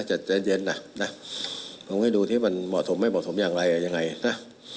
ใจเย็นนะลองให้ดูที่มันเหมาะสมไม่เหมาะสมอย่างไรยังไงนะ